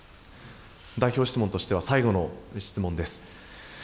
代表質問としては最後の質問です。